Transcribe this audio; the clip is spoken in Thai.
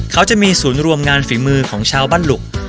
เขาจะมีศูนย์รวมงานฝีมือของชาวบ้านหลุก